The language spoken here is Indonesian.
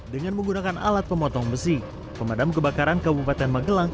dengan menggunakan alat pemotong besi pemadam kebakaran kabupaten magelang